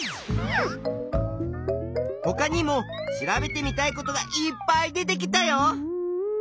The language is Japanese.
ほかにも調べてみたいことがいっぱい出てきたよ。